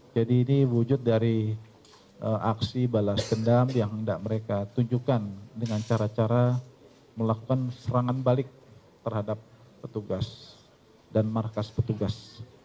jadi ini wujud dari aksi balas kendam yang hendak mereka tunjukkan dengan cara cara melakukan serangan balik terhadap petugas dan markas petugas